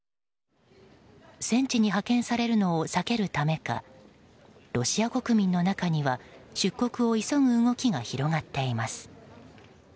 戦地に派遣されるのを避けるためかロシア国民の中には出国を急ぐ動きが広がっています。